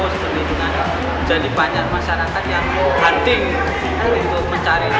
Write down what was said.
seperti dengan jadi banyak masyarakat yang hunting untuk mencari